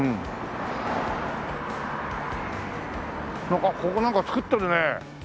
なんかここ作ってるね。